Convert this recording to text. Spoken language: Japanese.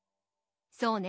そうね。